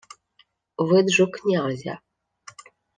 — Виджу князя.